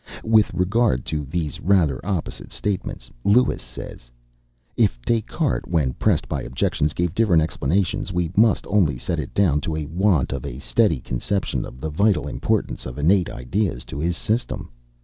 With regard to these rather opposite statements, Lewes says, "If Des Cartes, when pressed by objections, gave different explanations, we must only set it down to a want of a steady conception of the vital importance of innate ideas to his system.